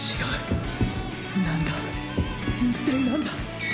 何だ一体なんだ⁉